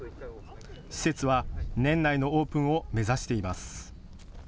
施設は年内のオープンを目指しています。